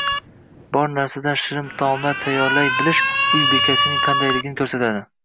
Bor narsadan shirin taomlar tayyorlay bilish uy bekasining qandayligini ko‘rsatadi.